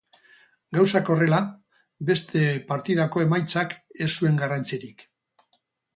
Gauzak horrela, beste partidako emaitzak ez zuen garrantzirik.